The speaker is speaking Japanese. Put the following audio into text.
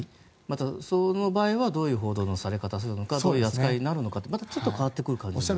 その場合はどういう報道のされ方をするのかどういう扱いをするのかまたちょっと変わってくる可能性はありますか。